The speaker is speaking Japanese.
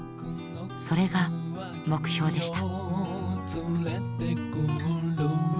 それが目標でした。